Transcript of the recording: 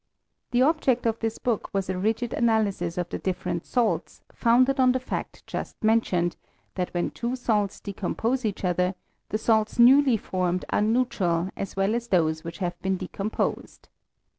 The object of this book was a rigid analysis of the different salts, founded on the fact just men tioned, that when two salts decompose each other, the salts newly formed are neutral as well as those which have been decomposed.